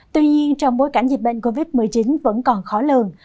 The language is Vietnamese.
tuy nhiên trong bối cảnh dịch bệnh covid một mươi chín vẫn còn khó lường